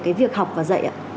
cái việc học và dạy